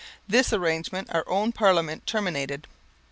This arrangement our own Parliament terminated.